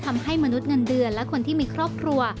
ทำให้มนุษย์เงินเดือนและคนที่มีครอบครัว